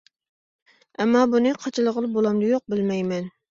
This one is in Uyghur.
ئەمما بۇنى قاچىلىغىلى بولامدۇ يوق بىلمەيمەن.